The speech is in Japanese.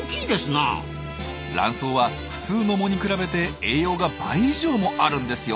ラン藻は普通の藻に比べて栄養が倍以上もあるんですよ。